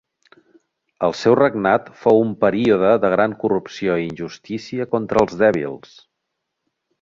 El seu regnat fou un període de gran corrupció i injustícia contra els dèbils.